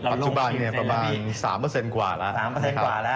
ปัจจุประมาณ๓เปอร์เซ็นต์กว่าแล้ว